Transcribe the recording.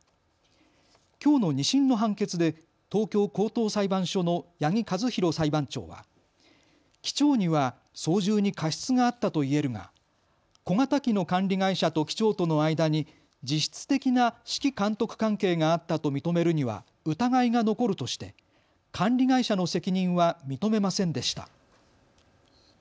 きょうの２審の判決で東京高等裁判所の八木一洋裁判長は機長には操縦に過失があったといえるが小型機の管理会社と機長との間に実質的な指揮監督関係があったと認めるには疑いが残るとして管理会社の責任は認めませんでした。